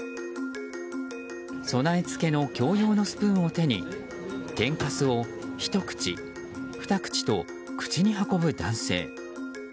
備え付けの共用のスプーンを手に天かすをひと口、ふた口と口に運ぶ男性。